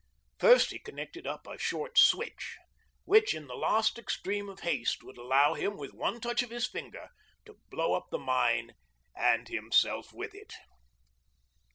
First he connected up a short switch which in the last extreme of haste would allow him with one touch of his finger to blow up his mine and himself with it.